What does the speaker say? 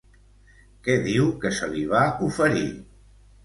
Què diu que se li va oferir?